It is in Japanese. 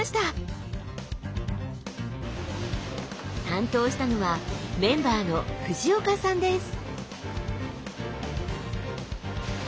担当したのはメンバーの藤岡さんです。